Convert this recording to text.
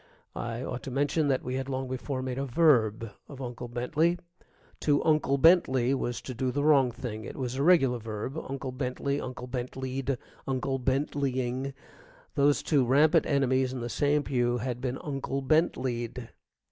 I ought to mention that we had long before made a verb of Uncle Bentley. To unclebentley was to do the wrong thing. It was a regular verb, unclebentley, unclebentleyed, unclebentleying. Those two rampant enemies in the same pew had been unclebentleyed.